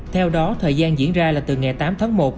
theo đó thời gian diễn ra là từ ngày tám tháng một